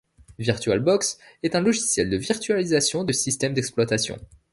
VirutalBox est un logiciel de virtualisation de systèmes d'exploitation.